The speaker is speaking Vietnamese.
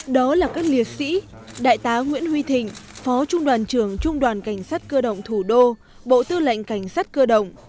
đó là các liệt sĩ đại tá nguyễn huy thịnh phó trung đoàn trưởng trung đoàn cảnh sát cơ động thủ đô bộ tư lệnh cảnh sát cơ động